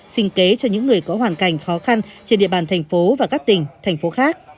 xin kế cho những người có hoàn cảnh khó khăn trên địa bàn thành phố và các tỉnh thành phố khác